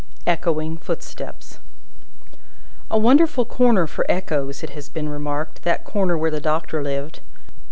Echoing Footsteps A wonderful corner for echoes, it has been remarked, that corner where the Doctor lived.